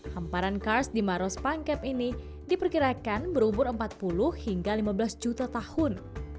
hamparan kars di maros pangkep ini diperkirakan berumur empat puluh hingga lima belas juta tahun